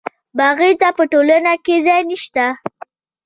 باغي ته په ټولنه کې ځای نشته.